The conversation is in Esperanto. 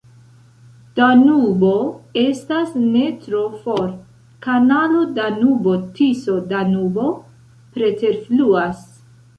Danubo estas ne tro for, kanalo Danubo-Tiso-Danubo preterfluas.